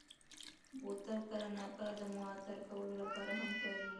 بوتل کله ناکله د معطر کولو لپاره هم کارېږي.